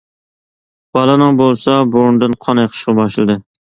بالىنىڭ بولسا بۇرنىدىن قان ئېقىشقا باشلىدى.